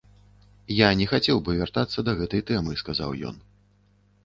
Я не хацеў бы вяртацца да гэтай тэмы, сказаў ён.